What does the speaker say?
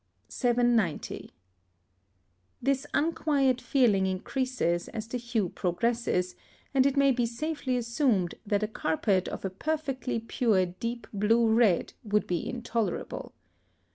790. This unquiet feeling increases as the hue progresses, and it may be safely assumed, that a carpet of a perfectly pure deep blue red would be intolerable.